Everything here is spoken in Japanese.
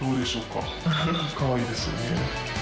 かわいいですよね。